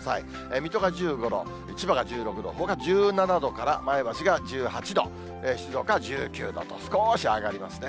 水戸が１５度、千葉が１６度、ほか１７度から前橋が１８度、静岡は１９度と、少し上がりますね。